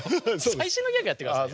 最近のギャグやってください。